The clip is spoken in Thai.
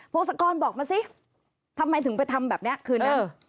งศกรบอกมาสิทำไมถึงไปทำแบบนี้คืนนั้น